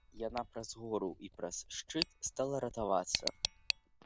Яна праз гору і праз шчыт стала ратавацца.